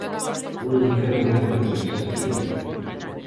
Non nos deron garantías, afirma.